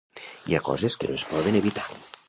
Hi ha coses que no es poden evitar.